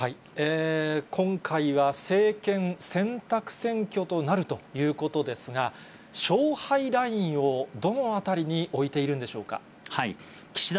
今回は政権選択選挙となるということですが、勝敗ラインをどのあたりに置いているんでしょう岸田